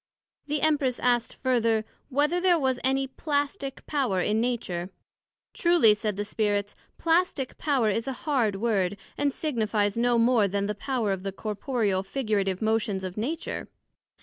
The Empress asked further, Whether there was any Plastick power in Nature? Truly, said the Spirits, Plastick power is a hard word, & signifies no more then the power of the corporeal, figurative motions of Nature.